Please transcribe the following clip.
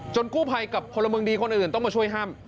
กู้ภัยกับพลเมืองดีคนอื่นต้องมาช่วยห้าม